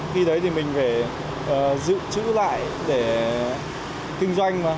khi đấy thì mình phải giữ chữ lại để kinh doanh mà